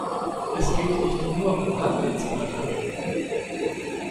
Es geht nicht nur um Handelsblöcke.